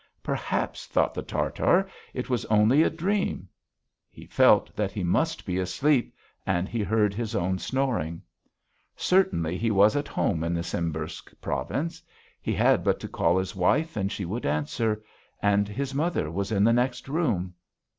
Perhaps, thought the Tartar, it was only a dream. He felt that he must be asleep, and he heard his own snoring.... Certainly he was at home in the Simbirsk province; he had but to call his wife and she would answer; and his mother was in the next room....